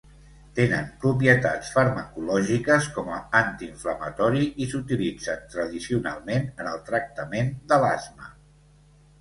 Tenen propietats farmacològiques com a antiinflamatori i s'utilitzen tradicionalment en el tractament de l'asma.